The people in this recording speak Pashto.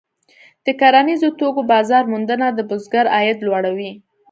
د کرنیزو توکو بازار موندنه د بزګر عاید لوړوي.